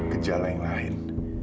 gejala yang lain